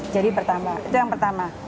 jadi itu yang pertama